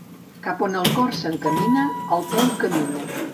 Cap on el cor s'encamina, el peu camina.